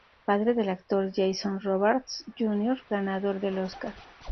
Padre del actor, Jason Robards, Jr., ganador del Oscar.